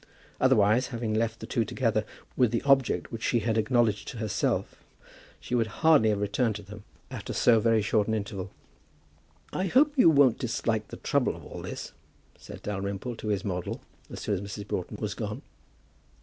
Otherwise, having left the two together with the object which she had acknowledged to herself, she would hardly have returned to them after so very short an interval. "I hope you won't dislike the trouble of all this?" said Dalrymple to his model, as soon as Mrs. Broughton was gone.